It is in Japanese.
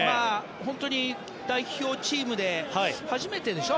本当に代表チームで初めてでしょ。